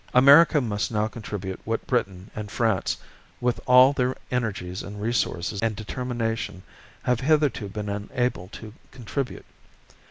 America must now contribute what Britain and France, with all their energies and resources and determination, have hitherto been unable to contribute.